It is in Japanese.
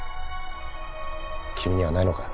君にはないのか？